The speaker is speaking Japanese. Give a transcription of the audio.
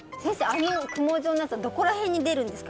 あのクモ状のやつはどこら辺に出るんですか？